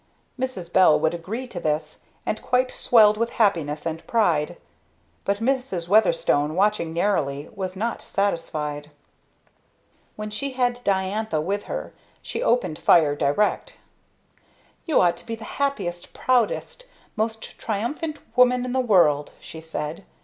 Mrs. Bell would agree to this, and quite swelled with happiness and pride; but Mrs. Weatherstone, watching narrowly, was not satisfied. When she had Diantha with her she opened fire direct. "You ought to be the happiest, proudest, most triumphant woman in the world!" she said.